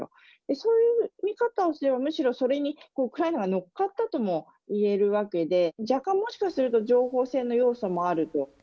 そういう見方をすれば、むしろそれにウクライナが乗っかったともいえるわけで、若干もしかすると情報戦の要素もあると。